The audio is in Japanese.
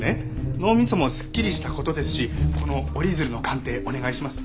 脳みそもすっきりした事ですしこの折り鶴の鑑定お願いします。